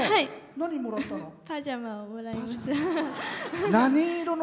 何をもらったの？